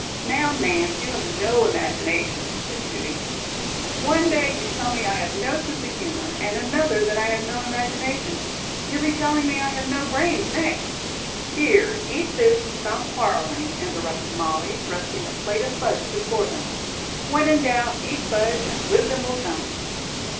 "Now, Nance, you have no imagination," said Judy. "One day you tell me I have no sense of humor, and another that I have no imagination. You'll be telling me I have no brains next." "Here, eat this and stop quarreling," interrupted Molly, thrusting a plate of fudge before them. "When in doubt, eat fudge and wisdom will come."